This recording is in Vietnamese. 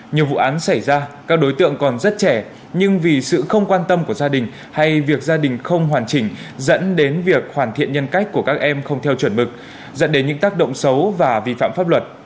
nhiều vụ án xảy ra các đối tượng còn rất trẻ nhưng vì sự không quan tâm của gia đình hay việc gia đình không hoàn chỉnh dẫn đến việc hoàn thiện nhân cách của các em không theo chuẩn mực dẫn đến những tác động xấu và vi phạm pháp luật